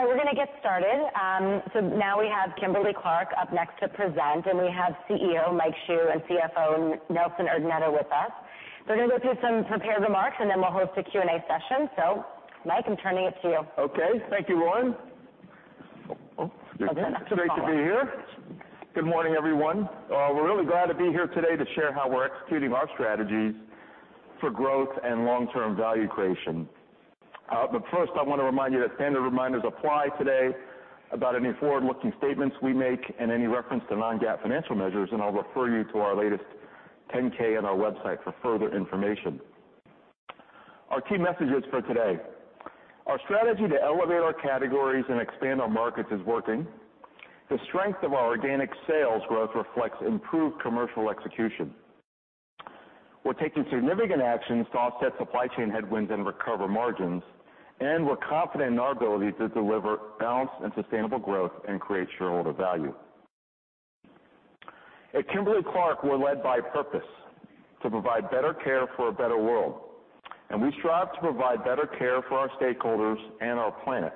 We're gonna get started. Now we have Kimberly-Clark up next to present, and we have CEO Mike Hsu and CFO Nelson Urdaneta with us. They're gonna go through some prepared remarks, and then we'll host a Q&A session. Mike, I'm turning it to you. Okay. Thank you, Lauren. I'll do the next follow-up. It's great to be here. Good morning, everyone. We're really glad to be here today to share how we're executing our strategies for growth and long-term value creation. First, I wanna remind you that standard reminders apply today about any forward-looking statements we make and any reference to non-GAAP financial measures, and I'll refer you to our latest 10-K on our website for further information. Our key messages for today. Our strategy to elevate our categories and expand our markets is working. The strength of our organic sales growth reflects improved commercial execution. We're taking significant actions to offset supply chain headwinds and recover margins, and we're confident in our ability to deliver balanced and sustainable growth and create shareholder value. At Kimberly-Clark, we're led by purpose, to provide better care for a better world, and we strive to provide better care for our stakeholders and our planet.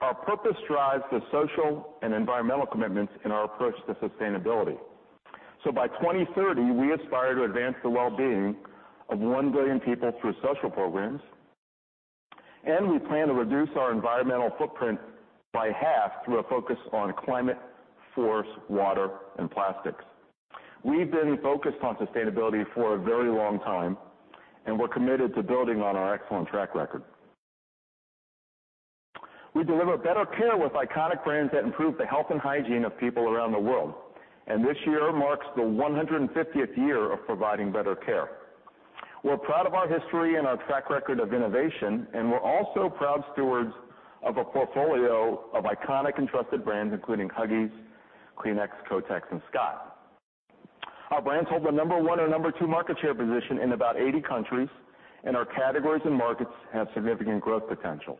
Our purpose drives the social and environmental commitments in our approach to sustainability. By 2030, we aspire to advance the well-being of 1 billion people through social programs, and we plan to reduce our environmental footprint by half through a focus on climate, forests, water, and plastics. We've been focused on sustainability for a very long time, and we're committed to building on our excellent track record. We deliver better care with iconic brands that improve the health and hygiene of people around the world, and this year marks the 150th year of providing better care. We're proud of our history and our track record of innovation, and we're also proud stewards of a portfolio of iconic and trusted brands, including Huggies, Kleenex, Kotex, and Scott. Our brands hold the number 1 or number 2 market share position in about 80 countries, and our categories and markets have significant growth potential.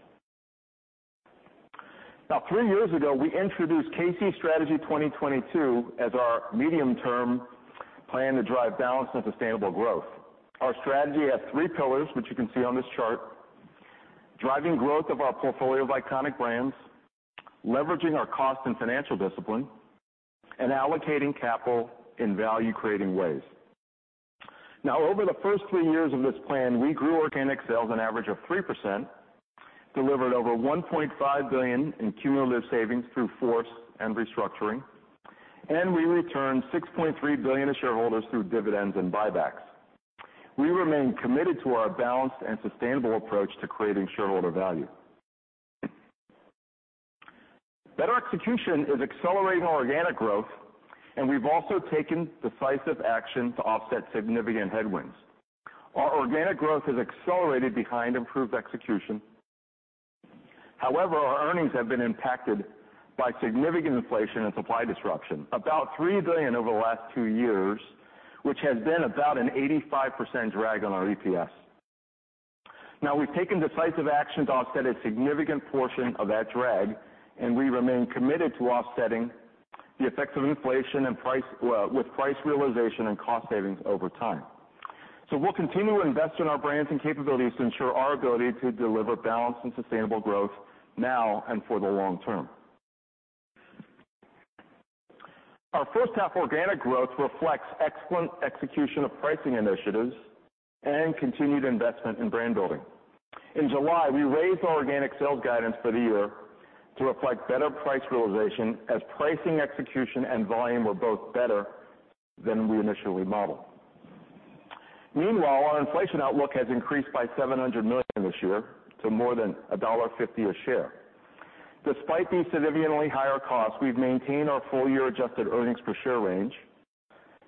Now, 3 years ago, we introduced K-C Strategy 2022 as our medium-term plan to drive balanced and sustainable growth. Our strategy has 3 pillars, which you can see on this chart, driving growth of our portfolio of iconic brands, leveraging our cost and financial discipline, and allocating capital in value-creating ways. Now, over the first 3 years of this plan, we grew organic sales an average of 3%, delivered over $1.5 billion in cumulative savings through FORCE and restructuring, and we returned $6.3 billion to shareholders through dividends and buybacks. We remain committed to our balanced and sustainable approach to creating shareholder value. Better execution is accelerating our organic growth, and we've also taken decisive action to offset significant headwinds. Our organic growth has accelerated behind improved execution. However, our earnings have been impacted by significant inflation and supply disruption, about $3 billion over the last 2 years, which has been about an 85% drag on our EPS. Now, we've taken decisive action to offset a significant portion of that drag, and we remain committed to offsetting the effects of inflation with price realization and cost savings over time. We'll continue to invest in our brands and capabilities to ensure our ability to deliver balanced and sustainable growth now and for the long term. Our first half organic growth reflects excellent execution of pricing initiatives and continued investment in brand building. In July, we raised our organic sales guidance for the year to reflect better price realization as pricing execution and volume were both better than we initially modeled. Meanwhile, our inflation outlook has increased by $700 million this year to more than $1.50 a share. Despite these significantly higher costs, we've maintained our full-year adjusted earnings per share range.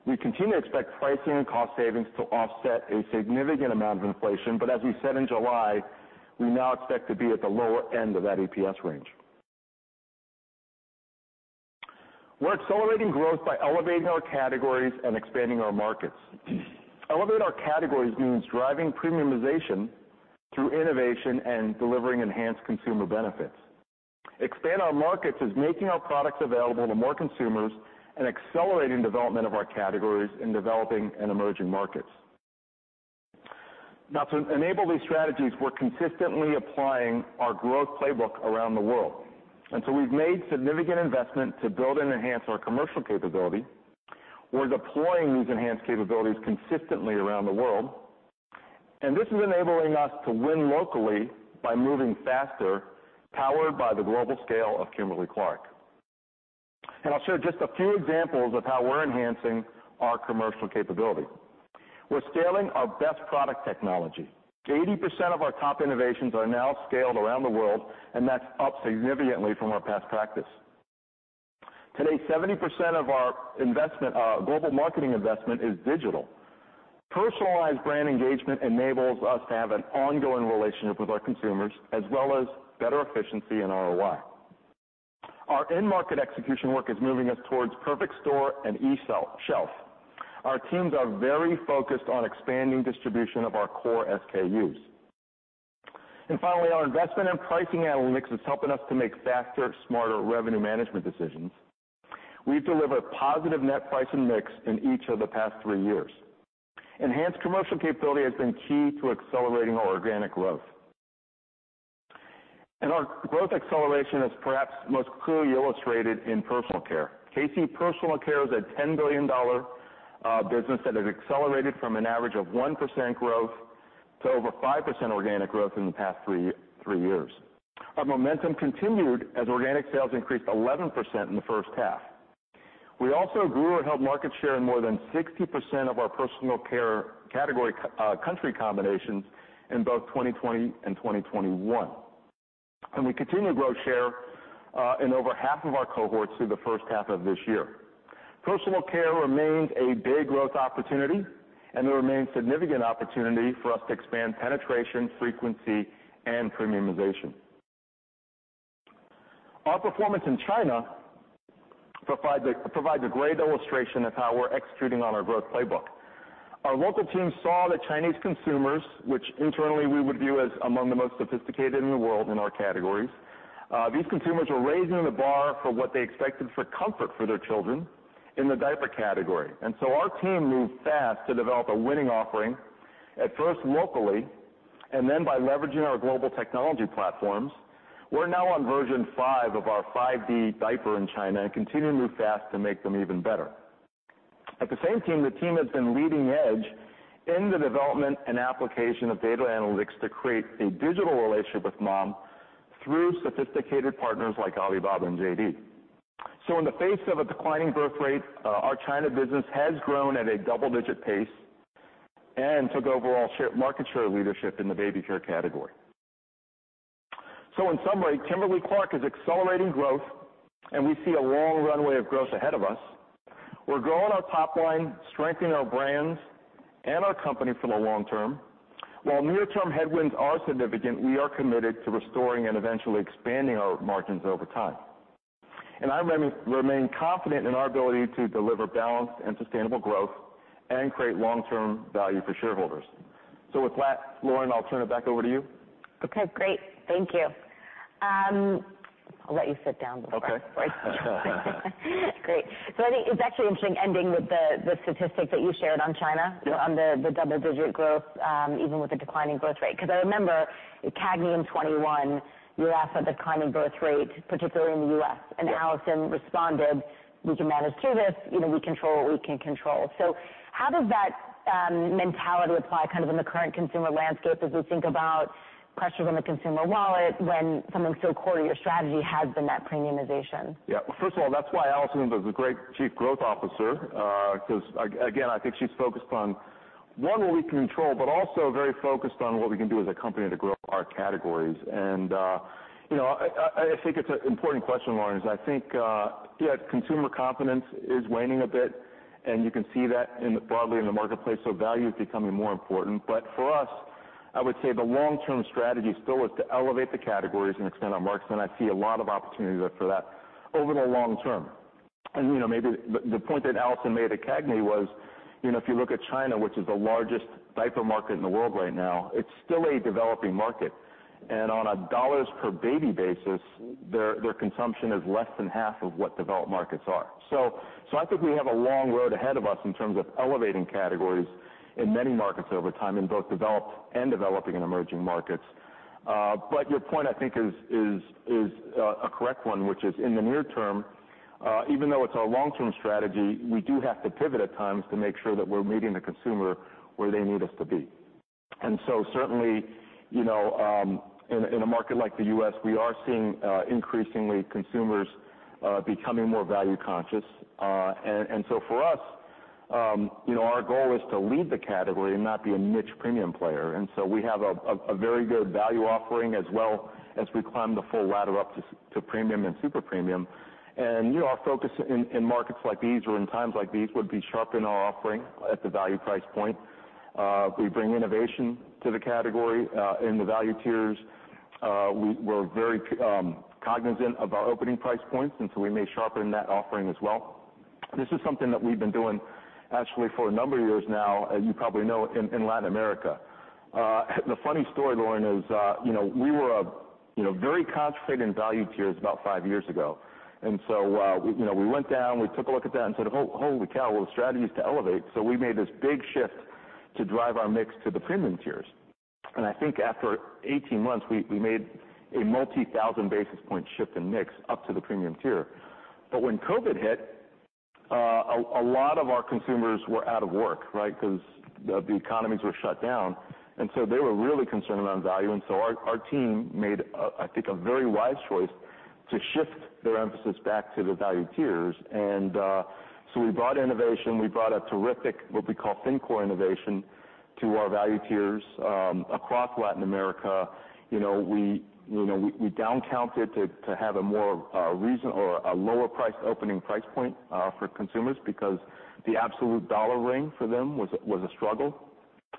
We continue to expect pricing and cost savings to offset a significant amount of inflation. As we said in July, we now expect to be at the lower end of that EPS range. We're accelerating growth by elevating our categories and expanding our markets. Elevating our categories means driving premiumization through innovation and delivering enhanced consumer benefits. Expand our markets is making our products available to more consumers and accelerating development of our categories in developing and emerging markets. Now to enable these strategies, we're consistently applying our growth playbook around the world. We've made significant investment to build and enhance our commercial capability. We're deploying these enhanced capabilities consistently around the world, and this is enabling us to win locally by moving faster, powered by the global scale of Kimberly-Clark. I'll share just a few examples of how we're enhancing our commercial capability. We're scaling our best product technology. 80% of our top innovations are now scaled around the world, and that's up significantly from our past practice. Today, 70% of our investment, global marketing investment is digital. Personalized brand engagement enables us to have an ongoing relationship with our consumers as well as better efficiency and ROI. Our end-market execution work is moving us towards perfect store and e-shelf. Our teams are very focused on expanding distribution of our core SKUs. Finally, our investment in pricing analytics is helping us to make faster, smarter revenue management decisions. We've delivered positive net price and mix in each of the past 3 years. Enhanced commercial capability has been key to accelerating our organic growth. Our growth acceleration is perhaps most clearly illustrated in personal care. K-C Personal Care is a $10 billion business that has accelerated from an average of 1% growth to over 5% organic growth in the past 3 years. Our momentum continued as organic sales increased 11% in the first half. We also grew or held market share in more than 60% of our personal care category country combinations in both 2020 and 2021. We continue to grow share in over half of our cohorts through the first half of this year. Personal care remains a big growth opportunity, and there remains significant opportunity for us to expand penetration, frequency, and premiumization. Our performance in China provides a great illustration of how we're executing on our growth playbook. Our local teams saw that Chinese consumers, which internally we would view as among the most sophisticated in the world in our categories, these consumers were raising the bar for what they expected for comfort for their children in the diaper category. Our team moved fast to develop a winning offering, at first locally, and then by leveraging our global technology platforms. We're now on version 5 of our 5D diaper in China and continue to move fast to make them even better. At the same time, the team has been leading edge in the development and application of data analytics to create a digital relationship with mom through sophisticated partners like Alibaba and JD. In the face of a declining birth rate, our China business has grown at a double-digit pace and took overall market share leadership in the baby care category. In summary, Kimberly-Clark is accelerating growth, and we see a long runway of growth ahead of us. We're growing our top line, strengthening our brands and our company for the long term. While near-term headwinds are significant, we are committed to restoring and eventually expanding our margins over time. I remain confident in our ability to deliver balanced and sustainable growth and create long-term value for shareholders. With that, Lauren, I'll turn it back over to you. Okay, great. Thank you. I'll let you sit down. Okay. Great. I think it's actually interesting ending with the statistic that you shared on China. Yeah. on the double-digit growth, even with the declining growth rate, because I remember at CAGNY in 2021, you were asked about declining growth rate, particularly in the U.S. Yeah. Alison responded, "We can manage through this. You know, we control what we can control." How does that mentality apply kind of in the current consumer landscape as we think about pressures on the consumer wallet when something so core to your strategy has been that premiumization? Yeah. Well, first of all, that's why Alison is a great Chief Growth Officer, 'cause again, I think she's focused on, one, what we can control, but also very focused on what we can do as a company to grow our categories. You know, I think it's an important question, Lauren. I think, yeah, consumer confidence is waning a bit, and you can see that broadly in the marketplace, so value is becoming more important. For us, I would say the long-term strategy still is to elevate the categories and extend our markets, and I see a lot of opportunity there for that over the long term. You know, maybe the point that Alison made at CAGNY was, you know, if you look at China, which is the largest diaper market in the world right now, it's still a developing market. On a dollars per baby basis, their consumption is less than 1/2 of what developed markets are. So I think we have a long road ahead of us in terms of elevating categories in many markets over time, in both developed and developing and emerging markets. But your point, I think, is a correct one, which is in the near term, even though it's our long-term strategy, we do have to pivot at times to make sure that we're meeting the consumer where they need us to be. Certainly, you know, in a market like the U.S., we are seeing increasingly consumers becoming more value conscious. For us, you know, our goal is to lead the category and not be a niche premium player. We have a very good value offering, as well as we climb the full ladder up to premium and super premium. You know, our focus in markets like these or in times like these would be sharpen our offering at the value price point. We bring innovation to the category in the value tiers. We're very cognizant about opening price points, and so we may sharpen that offering as well. This is something that we've been doing actually for a number of years now, as you probably know, in Latin America. The funny story, Lauren, is, you know, we were, you know, very concentrated in value tiers about 5 years ago. We went down, we took a look at that and said, "Holy cow, well, the strategy is to elevate." We made this big shift to drive our mix to the premium tiers. I think after 18 months, we made a multi-thousand basis point shift in mix up to the premium tier. When COVID hit, a lot of our consumers were out of work, right? Because the economies were shut down, and so they were really concerned about value. Our team made, I think, a very wise choice to shift their emphasis back to the value tiers. We brought innovation, a terrific what we call thin core innovation to our value tiers across Latin America. You know, we discounted to have a more reasonable or a lower price opening price point for consumers because the absolute dollar range for them was a struggle.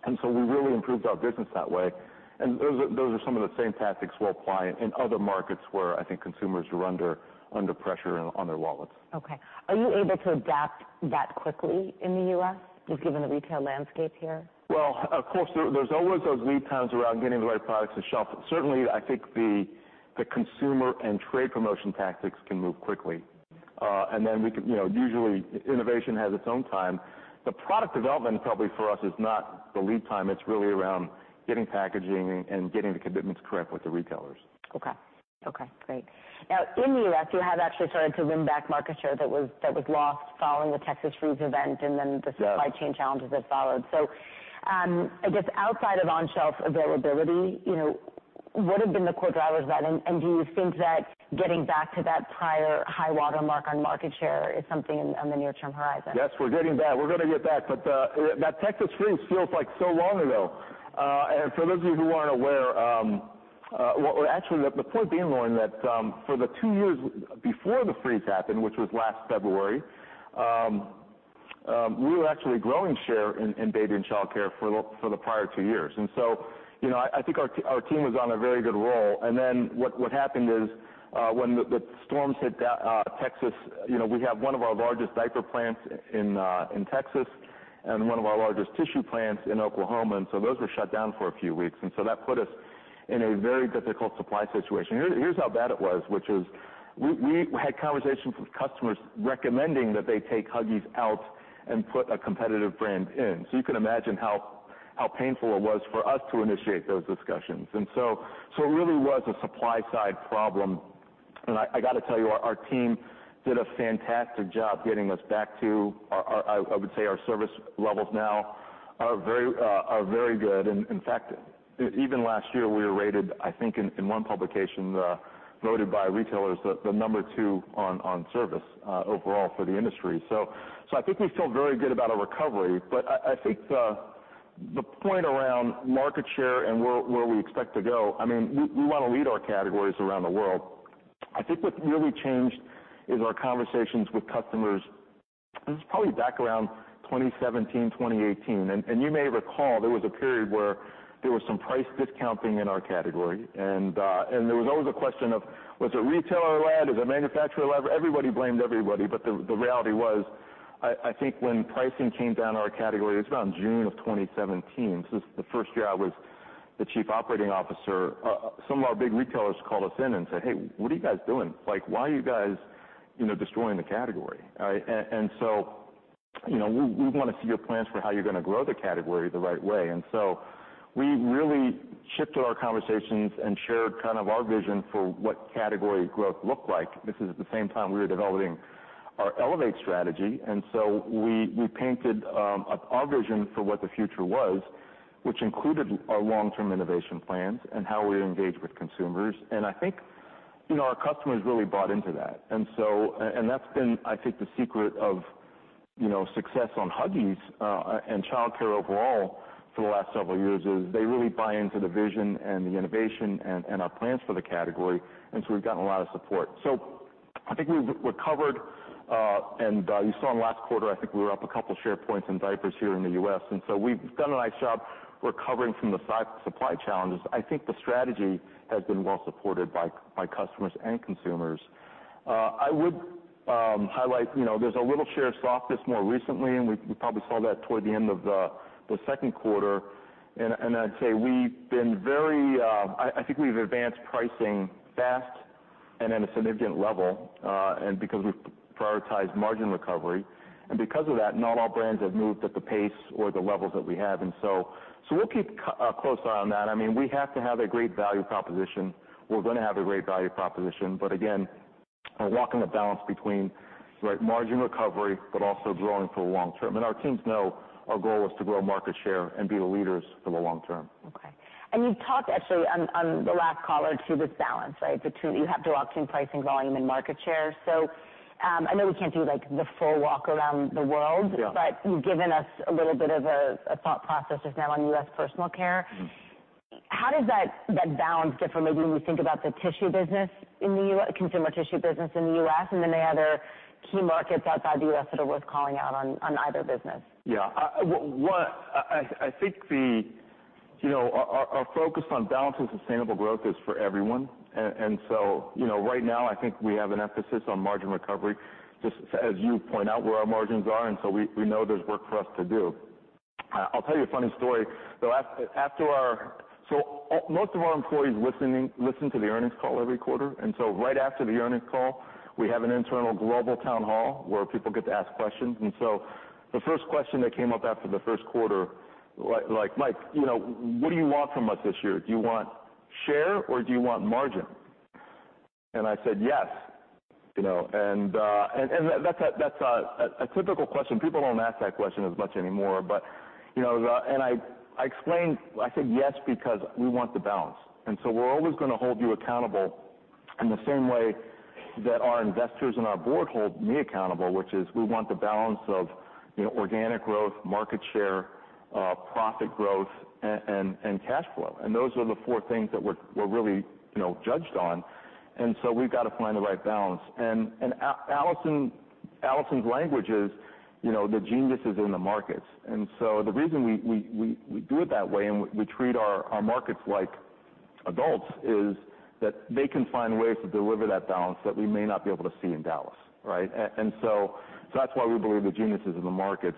We really improved our business that way. Those are some of the same tactics we'll apply in other markets where I think consumers are under pressure on their wallets. Okay. Are you able to adapt that quickly in the U.S., just given the retail landscape here? Well, of course, there's always those lead times around getting the right products to shelf. Certainly, I think the consumer and trade promotion tactics can move quickly. We can, you know, usually innovation has its own time. The product development probably for us is not the lead time. It's really around getting packaging and getting the commitments correct with the retailers. Okay. Okay, great. Now, in the U.S., you have actually started to win back market share that was lost following the Texas freeze event. Yeah the supply chain challenges that followed. I guess outside of on-shelf availability, you know, what have been the core drivers of that, and do you think that getting back to that prior high watermark on market share is something on the near-term horizon? Yes, we're getting back. We're gonna get back. That Texas freeze feels like so long ago. For those of you who aren't aware, well, actually the point being, Lauren, that, for the 2 years before the freeze happened, which was last February, we were actually growing share in baby and childcare for the prior 2 years. You know, I think our team was on a very good roll. What happened is, when the storm hit Texas, you know, we have one of our largest diaper plants in Texas and one of our largest tissue plants in Oklahoma, and so those were shut down for a few weeks. That put us in a very difficult supply situation. Here's how bad it was, which is we had conversations with customers recommending that they take Huggies out and put a competitive brand in. You can imagine how painful it was for us to initiate those discussions. It really was a supply side problem. I gotta tell you, our team did a fantastic job getting us back to our service levels, which now are very good. In fact, even last year, we were rated, I think in one publication, voted by retailers the number 2 on service overall for the industry. I think we feel very good about our recovery. I think the point around market share and where we expect to go, I mean, we wanna lead our categories around the world. I think what really changed in our conversations with customers, this was probably back around 2017, 2018, and you may recall, there was a period where there was some price discounting in our category. There was always a question of was it retailer-led, is it manufacturer-led. Everybody blamed everybody, but the reality was, I think when pricing came down in our category, it's around June of 2017, so it's the first year I was the chief operating officer. Some of our big retailers called us in and said, "Hey, what are you guys doing? Like, why are you guys, you know, destroying the category?" All right. You know, "We wanna see your plans for how you're gonna grow the category the right way." We really shifted our conversations and shared kind of our vision for what category growth looked like. This is at the same time we were developing our Elevate strategy. We painted our vision for what the future was, which included our long-term innovation plans and how we engage with consumers. I think, you know, our customers really bought into that. That's been, I think, the secret of, you know, success on Huggies and childcare overall for the last several years, is they really buy into the vision and the innovation and our plans for the category, and so we've gotten a lot of support. I think we've recovered, and you saw in last quarter, I think we were up a couple share points in diapers here in the U.S. We've done a nice job recovering from the supply challenges. I think the strategy has been well supported by customers and consumers. I would highlight, you know, there's a little share softness more recently, and we probably saw that toward the end of the second quarter. I'd say we've been very. I think we've advanced pricing fast and at a significant level, and because we've prioritized margin recovery. Because of that, not all brands have moved at the pace or the levels that we have. We'll keep a close eye on that. I mean, we have to have a great value proposition. We're gonna have a great value proposition. Again, we're walking the balance between the right margin recovery but also growing for the long term. Our teams know our goal is to grow market share and be the leaders for the long term. Okay. You've talked actually on the last call or 2, this balance, right? You have to walk between pricing, volume, and market share. I know we can't do, like, the full walk around the world. Yeah. You've given us a little bit of a thought process just now on US personal care. Mm-hmm. How does that balance differ maybe when we think about the tissue business in the U.S., consumer tissue business in the U.S. and then any other key markets outside the U.S. that are worth calling out on either business? Yeah. What I think. You know, our focus on balanced and sustainable growth is for everyone. You know, right now I think we have an emphasis on margin recovery, just as you point out where our margins are, and so we know there's work for us to do. I'll tell you a funny story, though. After our. Most of our employees listen to the earnings call every quarter. The first question that came up after the first quarter, like, "Mike, you know, what do you want from us this year? Do you want share or do you want margin?" I said, "Yes." You know. That's a typical question. People don't ask that question as much anymore. You know, I explained. I said, "Yes, because we want the balance." We're always gonna hold you accountable in the same way that our investors and our board hold me accountable, which is we want the balance of, you know, organic growth, market share, profit growth, and cash flow. Those are the 4 things that we're really, you know, judged on. We've got to find the right balance. Allison's language is, you know, the genius is in the markets. The reason we do it that way and we treat our markets like adults is that they can find ways to deliver that balance that we may not be able to see in Dallas, right? That's why we believe the genius is in the markets.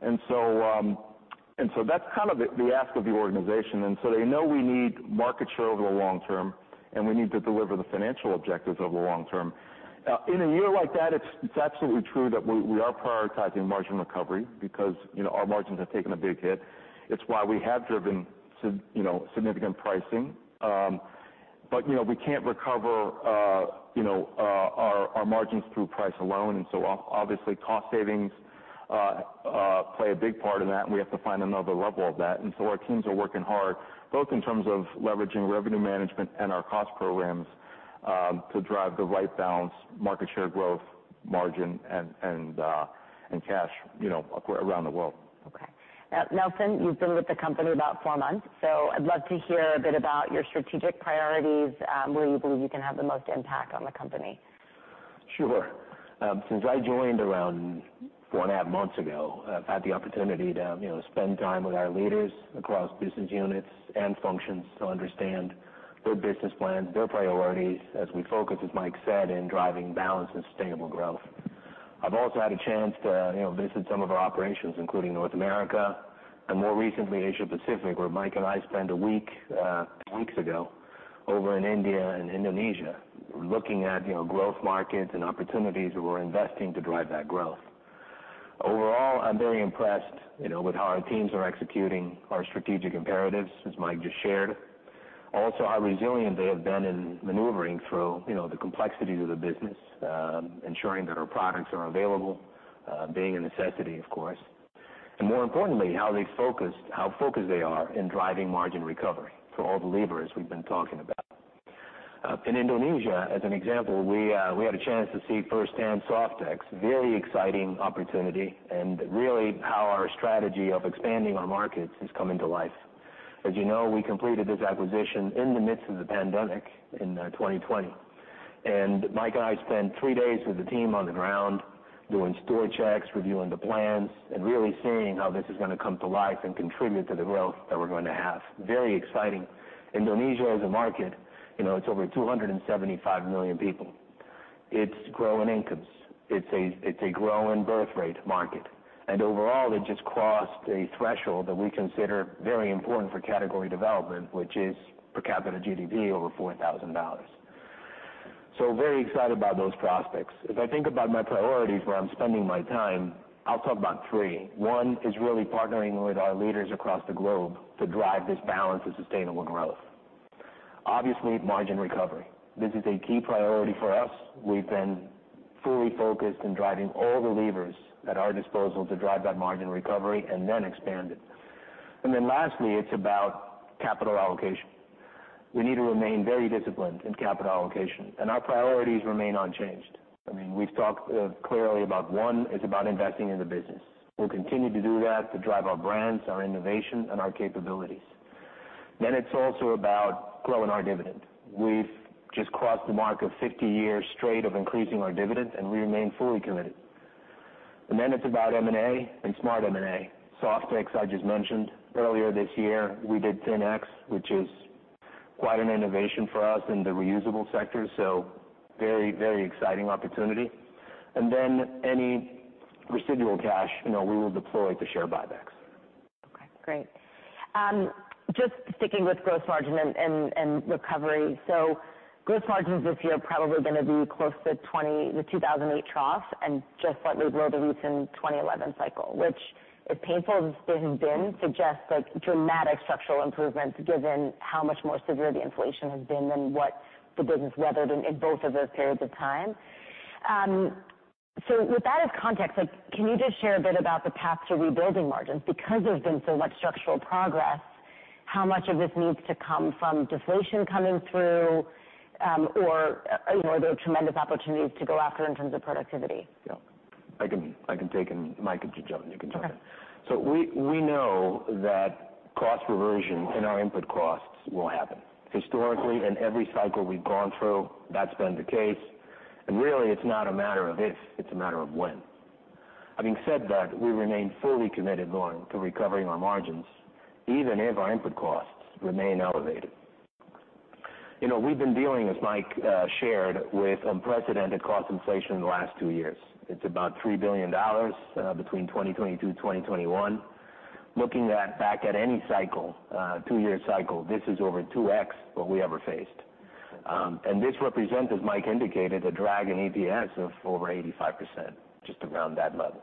That's kind of the ask of the organization. They know we need market share over the long term, and we need to deliver the financial objectives over the long term. In a year like that, it's absolutely true that we are prioritizing margin recovery because, you know, our margins have taken a big hit. It's why we have driven, you know, significant pricing. You know, we can't recover, you know, our margins through price alone, and so obviously, cost savings play a big part in that, and we have to find another level of that. Our teams are working hard, both in terms of leveraging revenue management and our cost programs, to drive the right balance, market share growth, margin, and cash, you know, around the world. Okay. Now, Nelson, you've been with the company about 4 months, so I'd love to hear a bit about your strategic priorities, where you believe you can have the most impact on the company. Sure. Since I joined around 4 and a half months ago, I've had the opportunity to, you know, spend time with our leaders across business units and functions to understand their business plans, their priorities as we focus, as Mike said, in driving balanced and sustainable growth. I've also had a chance to, you know, visit some of our operations, including North America and more recently, Asia Pacific, where Mike and I spent a week, 2 weeks ago over in India and Indonesia looking at, you know, growth markets and opportunities where we're investing to drive that growth. Overall, I'm very impressed, you know, with how our teams are executing our strategic imperatives, as Mike just shared. Also, how resilient they have been in maneuvering through, you know, the complexities of the business, ensuring that our products are available, being a necessity, of course. More importantly, how focused they are in driving margin recovery through all the levers we've been talking about. In Indonesia, as an example, we had a chance to see firsthand Softex, very exciting opportunity and really how our strategy of expanding our markets is coming to life. As you know, we completed this acquisition in the midst of the pandemic in 2020. Mike and I spent 3 days with the team on the ground doing store checks, reviewing the plans, and really seeing how this is gonna come to life and contribute to the growth that we're going to have. Very exciting. Indonesia as a market, you know, it's over 275 million people. It's growing incomes. It's a growing birth rate market. Overall, it just crossed a threshold that we consider very important for category development, which is per capita GDP over $4,000. Very excited about those prospects. If I think about my priorities, where I'm spending my time, I'll talk about 3. One is really partnering with our leaders across the globe to drive this balance of sustainable growth. Obviously, margin recovery. This is a key priority for us. We've been fully focused in driving all the levers at our disposal to drive that margin recovery and then expand it. Lastly, it's about capital allocation. We need to remain very disciplined in capital allocation, and our priorities remain unchanged. I mean, we've talked clearly about one is about investing in the business. We'll continue to do that to drive our brands, our innovation, and our capabilities. It's also about growing our dividend. We've just crossed the mark of 50 years straight of increasing our dividends, and we remain fully committed. Then it's about M&A and smart M&A. Softex, I just mentioned. Earlier this year, we did Thinx, which is quite an innovation for us in the reusable sector, so very, very exciting opportunity. Then any residual cash, you know, we will deploy to share buybacks. Okay, great. Just sticking with growth margin and recovery. Gross margins this year are probably gonna be close to 20%, the 2008 trough and just slightly below the recent 2011 cycle, which as painful as it has been, suggests, like, dramatic structural improvements given how much more severe the inflation has been than what the business weathered in both of those periods of time. With that as context, like, can you just share a bit about the path to rebuilding margins? Because there's been so much structural progress, how much of this needs to come from deflation coming through, or, you know, are there tremendous opportunities to go after in terms of productivity? Yeah. I can take and Mike can jump in. He can jump in. Okay. We know that cost reversion in our input costs will happen. Historically, in every cycle we've gone through, that's been the case. Really, it's not a matter of if, it's a matter of when. Having said that, we remain fully committed, Lauren, to recovering our margins, even if our input costs remain elevated. You know, we've been dealing, as Mike shared, with unprecedented cost inflation in the last 2 years. It's about $3 billion between 2022 and 2021. Looking back at any 2 year cycle, this is over 2x what we ever faced. This represents, as Mike indicated, a drag in EPS of over 85%, just around that level.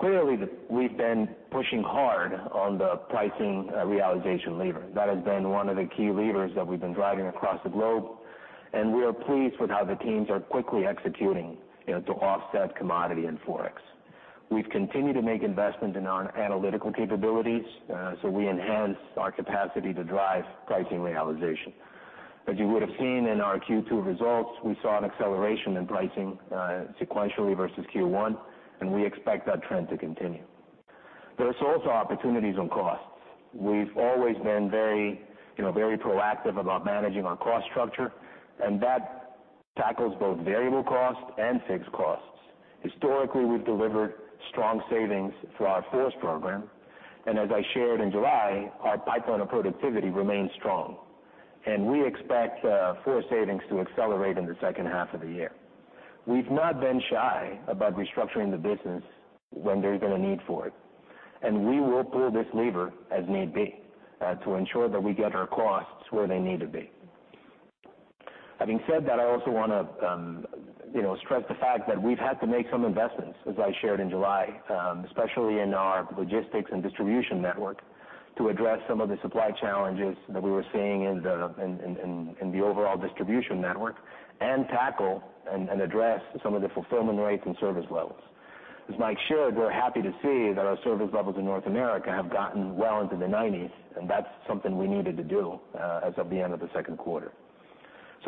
Clearly, we've been pushing hard on the pricing realization lever. That has been one of the key levers that we've been driving across the globe, and we are pleased with how the teams are quickly executing, you know, to offset commodity and forex. We've continued to make investments in our analytical capabilities, so we enhance our capacity to drive pricing realization. As you would have seen in our Q2 results, we saw an acceleration in pricing, sequentially versus Q1, and we expect that trend to continue. There is also opportunities on costs. We've always been very, you know, very proactive about managing our cost structure, and that tackles both variable costs and fixed costs. Historically, we've delivered strong savings through our FORCE program. As I shared in July, our pipeline of productivity remains strong, and we expect FORCE savings to accelerate in the second half of the year. We've not been shy about restructuring the business when there's been a need for it, and we will pull this lever as need be, to ensure that we get our costs where they need to be. Having said that, I also wanna stress the fact that we've had to make some investments, as I shared in July, especially in our logistics and distribution network to address some of the supply challenges that we were seeing in the overall distribution network and tackle and address some of the fulfillment rates and service levels. As Mike shared, we're happy to see that our service levels in North America have gotten well into the 90s, and that's something we needed to do as of the end of the second quarter.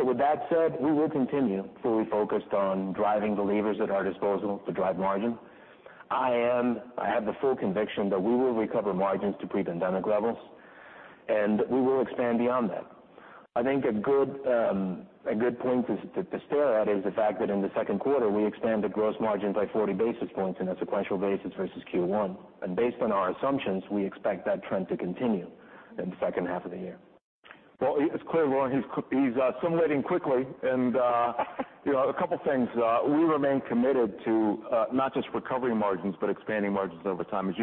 With that said, we will continue fully focused on driving the levers at our disposal to drive margin. I have the full conviction that we will recover margins to pre-pandemic levels, and we will expand beyond that. I think a good point to stare at is the fact that in the second quarter we expanded gross margins by 40 basis points on a sequential basis versus Q1. Based on our assumptions, we expect that trend to continue in the second half of the year. It's clear, Lauren, he's assimilating quickly and, you know, a couple things. We remain committed to not just recovering margins, but expanding margins over time. As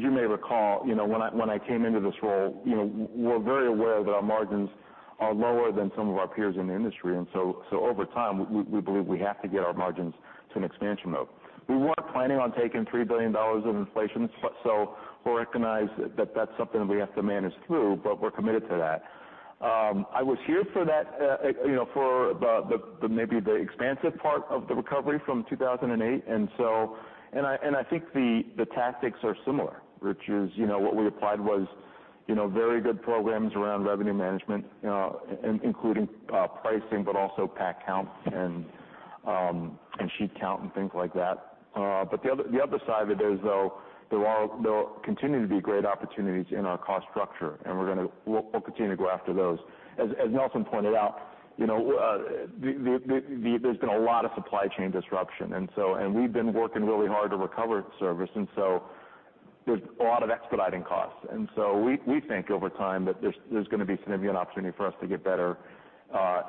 you may recall, you know, when I came into this role, you know, we're very aware that our margins are lower than some of our peers in the industry. So over time, we believe we have to get our margins to an expansion mode. We weren't planning on taking $3 billion of inflation, so we recognize that that's something that we have to manage through, but we're committed to that. I was here for that, you know, for the maybe the expansive part of the recovery from 2008. I think the tactics are similar, which is, you know, what we applied was, you know, very good programs around revenue management, including pricing, but also pack counts and sheet count and things like that. But the other side of it is though, there'll continue to be great opportunities in our cost structure, and we'll continue to go after those. As Nelson pointed out, you know, there's been a lot of supply chain disruption and we've been working really hard to recover service, and so there's a lot of expediting costs. We think over time that there's gonna be maybe an opportunity for us to get better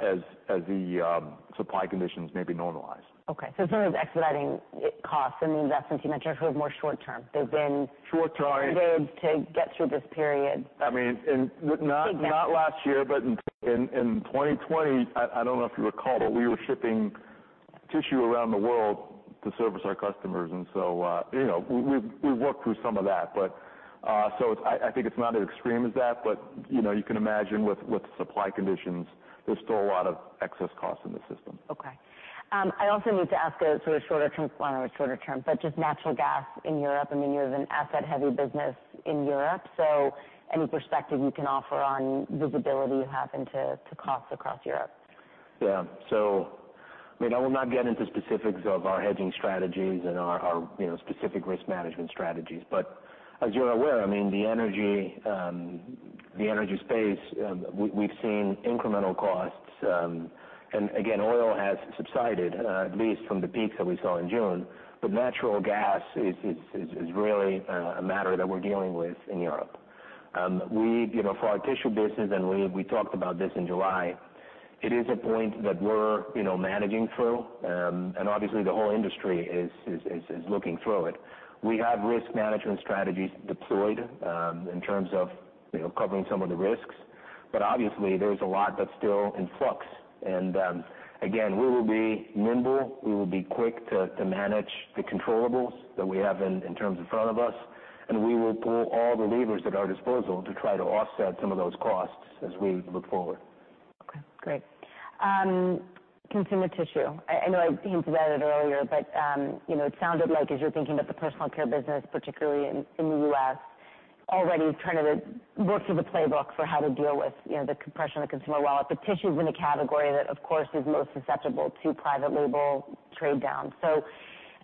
as the supply conditions maybe normalize. Okay. In terms of expediting costs and the investments you mentioned, those are more short term. They've been. Short term. Paid to get through this period. I mean, not last year, but in 2020, I don't know if you recall, but we were shipping tissue around the world to service our customers. You know, we've worked through some of that, but I think it's not as extreme as that, but you know, you can imagine with supply conditions, there's still a lot of excess costs in the system. Okay. I also need to ask a sort of shorter term, well, not shorter term, but just natural gas in Europe. I mean, you have an asset heavy business in Europe, so any perspective you can offer on visibility you have into to costs across Europe? Yeah. I mean, I will not get into specifics of our hedging strategies and our you know, specific risk management strategies. As you're aware, I mean, the energy space, we've seen incremental costs. Again, oil has subsided at least from the peaks that we saw in June. Natural gas is really a matter that we're dealing with in Europe. We, you know, for our tissue business, and we talked about this in July, it is a point that we're you know, managing through. Obviously the whole industry is looking through it. We have risk management strategies deployed in terms of you know, covering some of the risks, but obviously there's a lot that's still in flux. Again, we will be nimble. We will be quick to manage the controllables that we have in front of us, and we will pull all the levers at our disposal to try to offset some of those costs as we look forward. Okay, great. Consumer tissue. I know I hinted at it earlier, but you know, it sounded like as you're thinking about the personal care business, particularly in the US, already trying to work through the playbook for how to deal with you know, the compression of the consumer wallet. But tissue's been a category that, of course, is most susceptible to private label trade down. So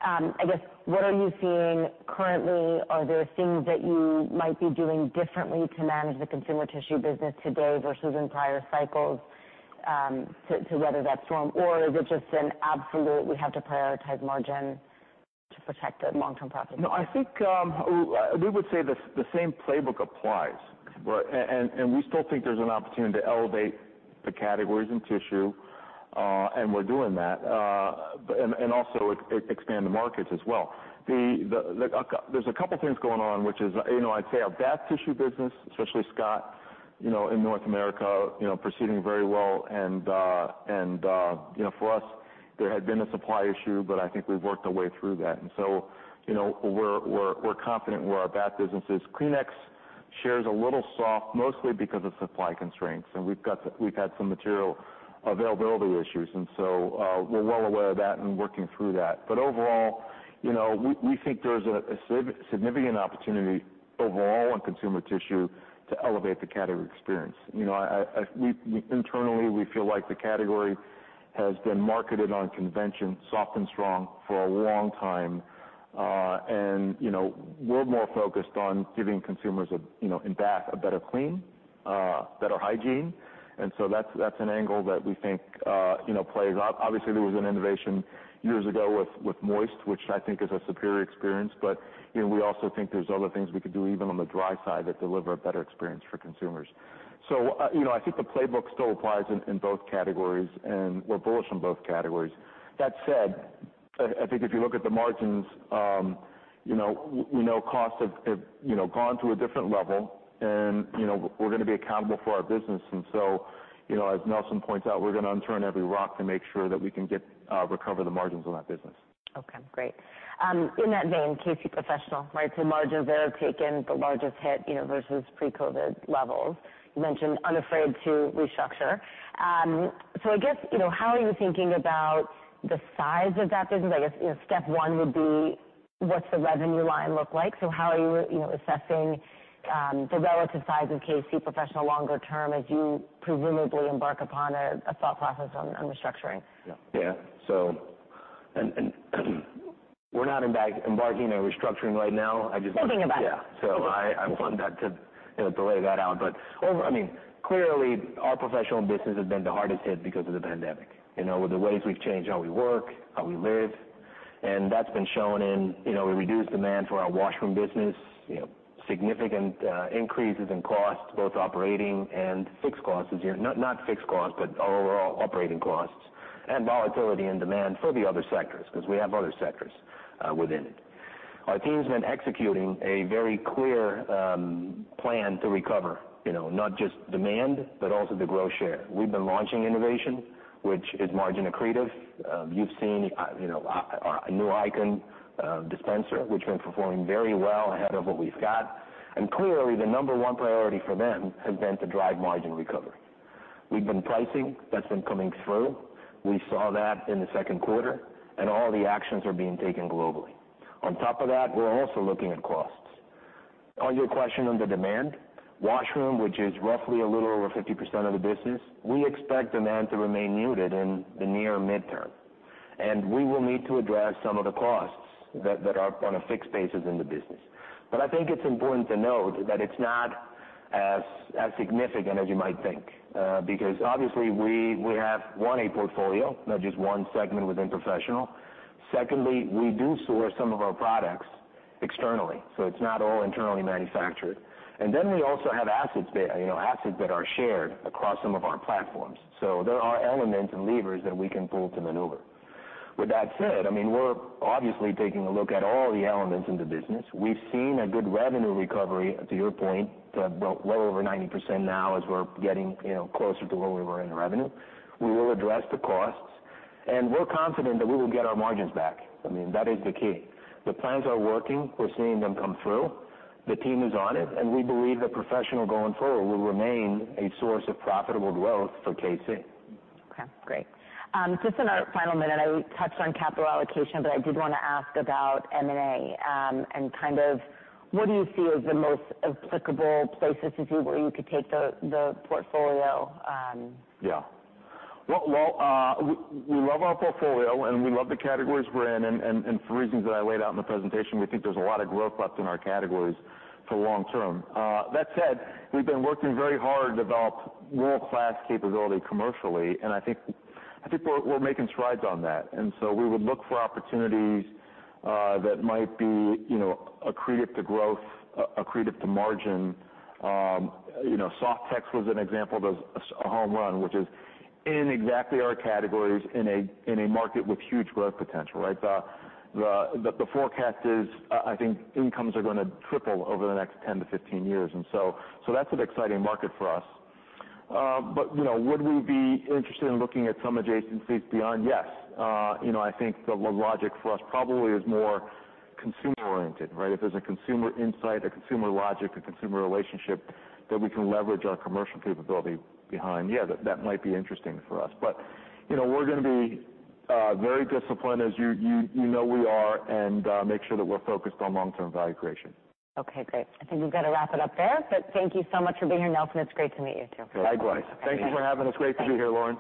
I guess what are you seeing currently? Are there things that you might be doing differently to manage the consumer tissue business today versus in prior cycles to weather that storm? Or is it just an absolute, we have to prioritize margin to protect the long-term profitability? No, I think we would say the same playbook applies. We still think there's an opportunity to elevate the categories in tissue, and we're doing that. But also expand the markets as well. Like, there's a couple things going on, which is, you know, I'd say our bath tissue business, especially Scott, you know, in North America, you know, proceeding very well. For us, there had been a supply issue, but I think we've worked our way through that. You know, we're confident where our bath business is. Kleenex shares a little soft, mostly because of supply constraints. We've had some material availability issues, and so, we're well aware of that and working through that. Overall, you know, we think there's a significant opportunity overall on consumer tissue to elevate the category experience. You know, we internally feel like the category has been marketed on convention, soft and strong, for a long time. You know, we're more focused on giving consumers a, you know, in bath, a better clean, better hygiene. That's an angle that we think, you know, plays out. Obviously, there was an innovation years ago with moist, which I think is a superior experience. You know, we also think there's other things we could do even on the dry side that deliver a better experience for consumers. You know, I think the playbook still applies in both categories, and we're bullish on both categories. That said, I think if you look at the margins, you know, we know costs have you know gone to a different level and, you know, we're gonna be accountable for our business. You know, as Nelson points out, we're gonna turn every rock to make sure that we can recover the margins on that business. Okay, great. In that vein, K-C Professional, right? They have taken the largest hit, you know, versus pre-COVID levels. You mentioned unafraid to restructure. I guess, you know, how are you thinking about the size of that business? I guess, you know, step 1 would be what's the revenue line look like? How are you know, assessing the relative size of K-C Professional longer term as you presumably embark upon a thought process on restructuring? Yeah. We're not embarking on restructuring right now. Thinking about it. Yeah. I want that to, you know, to lay that out. I mean, clearly our Professional business has been the hardest hit because of the pandemic, you know, with the ways we've changed how we work, how we live, and that's been shown in, you know, a reduced demand for our washroom business, you know, significant increases in costs, both operating and fixed costs this year. Not fixed costs, but overall operating costs and volatility and demand for the other sectors, 'cause we have other sectors within it. Our team's been executing a very clear plan to recover, you know, not just demand, but also to grow share. We've been launching innovation, which is margin accretive. You've seen, you know, a new ICON dispenser, which has been performing very well ahead of what we've got. Clearly the number 1 priority for them has been to drive margin recovery. We've been pricing. That's been coming through. We saw that in the second quarter, and all the actions are being taken globally. On top of that, we're also looking at costs. On your question on the demand, washroom, which is roughly a little over 50% of the business, we expect demand to remain muted in the near term. We will need to address some of the costs that are on a fixed basis in the business. I think it's important to note that it's not as significant as you might think, because obviously we have, one, a portfolio, not just one segment within Professional. Secondly, we do source some of our products externally, so it's not all internally manufactured. We also have assets, you know, that are shared across some of our platforms. There are elements and levers that we can pull to maneuver. With that said, I mean, we're obviously taking a look at all the elements in the business. We've seen a good revenue recovery, to your point, to well over 90% now as we're getting, you know, closer to where we were in revenue. We will address the costs, and we're confident that we will get our margins back. I mean, that is the key. The plans are working. We're seeing them come through. The team is on it, and we believe that Professional going forward will remain a source of profitable growth for KC. Okay, great. Just in our final minute, I touched on capital allocation, but I did wanna ask about M&A. Kind of what do you see as the most applicable places to see where you could take the portfolio. Yeah. Well, we love our portfolio, and we love the categories we're in. For reasons that I laid out in the presentation, we think there's a lot of growth left in our categories for long term. That said, we've been working very hard to develop world-class capability commercially, and I think we're making strides on that. We would look for opportunities that might be, you know, accretive to growth, accretive to margin. You know, Softex was an example of a home run, which is in exactly our categories in a market with huge growth potential, right? The forecast is, I think incomes are gonna triple over the next 10-15 years, and so that's an exciting market for us. You know, would we be interested in looking at some adjacencies beyond? Yes. You know, I think the logic for us probably is more consumer-oriented, right? If there's a consumer insight, a consumer logic, a consumer relationship that we can leverage our commercial capability behind, yeah, that might be interesting for us. You know, we're gonna be very disciplined as you know we are, and make sure that we're focused on long-term value creation. Okay, great. I think we've got to wrap it up there, but thank you so much for being here, Nelson. It's great to meet you too. Likewise. Thank you for having us. Great to be here, Lauren.